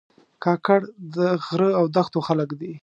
کاکړ د غره او دښتو خلک دي.